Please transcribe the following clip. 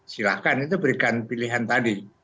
silahkan itu berikan pilihan tadi